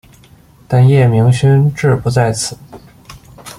但叶明勋志不在此。